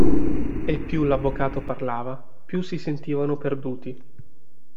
E più l'avvocato parlava più si sentivano perduti.